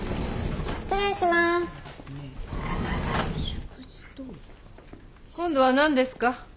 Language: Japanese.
失礼します。今度は何ですか？